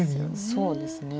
そうですね。